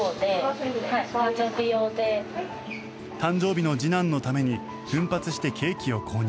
誕生日の次男のために奮発してケーキを購入。